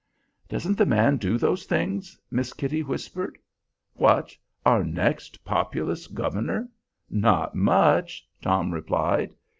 "Doesn't the man do those things?" Miss Kitty whispered. "What, our next Populist governor? Not much!" Tom replied.